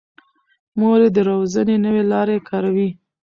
مور یې د روزنې نوې لارې کاروي.